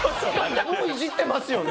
もうイジってますよね？